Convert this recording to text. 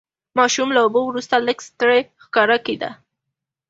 ماشوم له لوبو وروسته لږ ستړی ښکاره کېده.